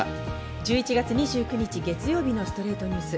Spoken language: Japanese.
１１月２９日、月曜日の『ストレイトニュース』。